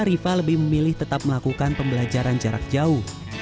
riva lebih memilih tetap melakukan pembelajaran jarak jauh